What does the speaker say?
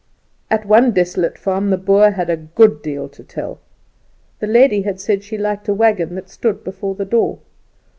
At one desolate farm the Boer had a good deal to tell. The lady had said she liked a wagon that stood before the door.